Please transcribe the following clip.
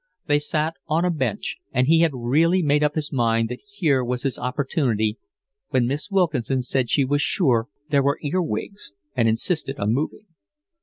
They sat on a bench, and he had really made up his mind that here was his opportunity when Miss Wilkinson said she was sure there were earwigs and insisted on moving.